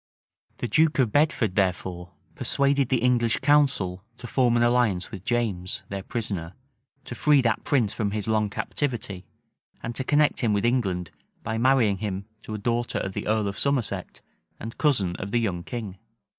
The duke of Bedford, therefore, persuaded the English council to form an alliance with James, their prisoner; to free that prince from his long captivity; and to connect him with England by marrying him to a daughter of the earl of Somerset, and cousin of the young king.